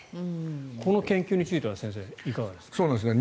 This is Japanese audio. この研究については先生、いかがですか。